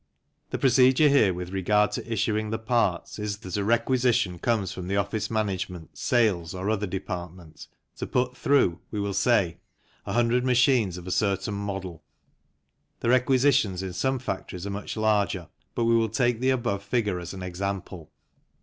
The procedure here with regard to issuing the parts is that a requisition comes from the office management, sales or other department, to put through, we will say, 100 machines of a certain model (the requisitions in some factories are much larger, but we will take the above figure as an example).